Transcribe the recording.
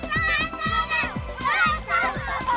hei tuh sama sama